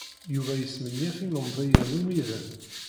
Yuba yesmenyaf imendiyen ummiden.